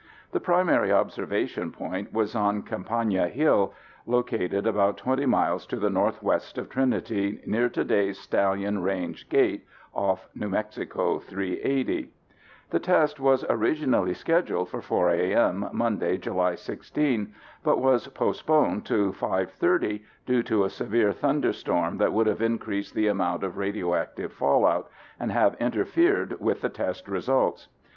The primary observation point was on Compania Hill, located about 20 miles to the northwest of Trinity near today's Stallion Range Gate, off NM 380. The test was originally scheduled for 4 a.m., Monday July 16, but was postponed to 5:30 due to a severe thunderstorm that would have increased the amount of radioactive fallout, and have interfered with the test results.